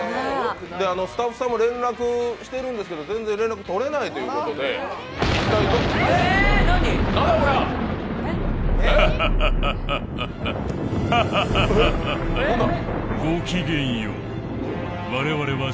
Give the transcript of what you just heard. スタッフさんも連絡してるんですけど、全然連絡が取れないということで何だこれは！